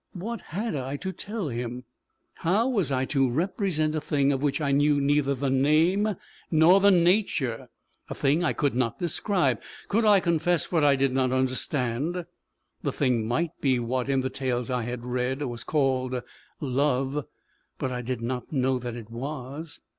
What had I to tell him? How was I to represent a thing of which I knew neither the name nor the nature, a thing I could not describe? Could I confess what I did not understand? The thing might be what, in the tales I had read, was called love, but I did not know that it was.